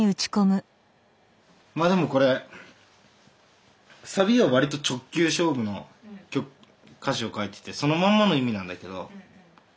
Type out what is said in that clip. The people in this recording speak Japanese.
まあでもこれサビはわりと直球勝負の歌詞を書いててそのまんまの意味なんだけど。